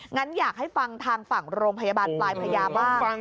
งั้นอยากให้ฟังทางฝั่งโรงพยาบาลปลายพญาบ้าง